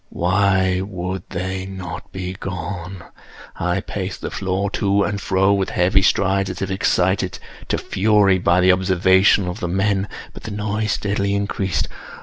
Why would they not be gone? I paced the floor to and fro with heavy strides, as if excited to fury by the observations of the men—but the noise steadily increased.